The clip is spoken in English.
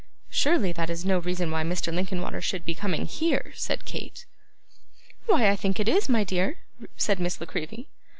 'Surely that is no reason why Mr. Linkinwater should be coming here,' said Kate. 'Why I think it is, my dear,' said Miss La Creevy.